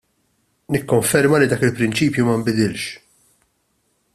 Nikkonferma li dak il-prinċipju ma nbidilx.